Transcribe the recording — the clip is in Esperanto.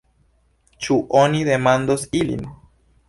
Ĉu oni demandos ilin?